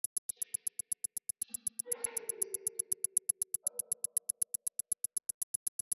Rahma ni mtu ambaye ninamjua